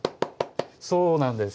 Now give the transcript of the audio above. そうなんです。